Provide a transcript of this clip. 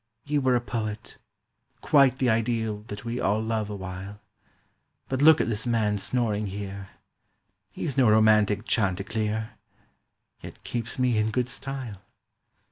"You were a poet—quite the ideal That we all love awhile: But look at this man snoring here— He's no romantic chanticleer, Yet keeps me in good style.